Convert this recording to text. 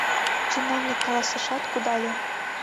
— чиновник каласышат, кудале.